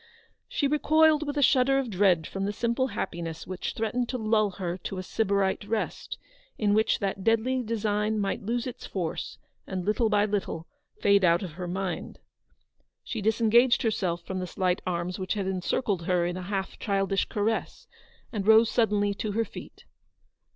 She recoiled with a shudder of dread from the simple happiness which threatened to lull her to a Sybarite rest; in which that deadly design might lose its force, and, little by little, fade out of her mind. She disengaged herself from the slight arms which had encircled her in a half childish caress, and rose suddenly to her feet.